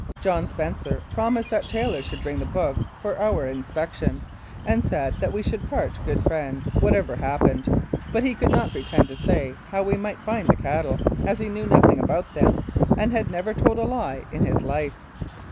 John Spencer promised that Taylor should bring the books for our inspection, and said that we should part good friends whatever hap pened, but he could not pretend to say how we might find the cattle, as he knew nothing about them, and had never told a lie in his life.